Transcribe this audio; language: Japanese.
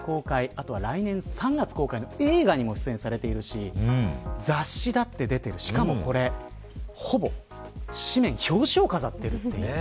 あと来年３月公開の映画にも出演されていますし雑誌だって出てるししかもこれ、ほぼ紙面表紙を飾っています。